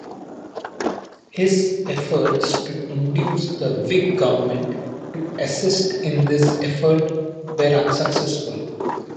His efforts to induce the Whig government to assist in this effort were unsuccessful.